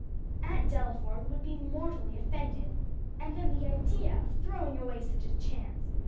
"Aunt Delaford would be mortally offended. And then the idea of throwing away such a chance!